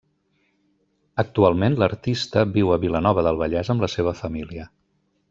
Actualment l'artista viu a Vilanova del Vallès amb la seva família.